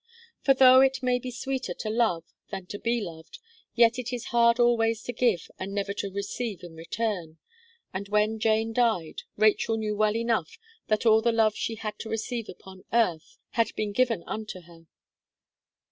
For, though it may be sweeter to love, than to be loved, yet it is hard always to give and never to receive in return; and when Jane died, Rachel knew well enough that all the love she had to receive upon earth, had been given unto her.